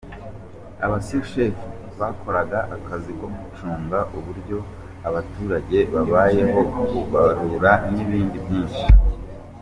Abasushefu bakoraga akazi ko gucunga uburyo abaturage babayeho, kubabarura n’ibindi byinshi.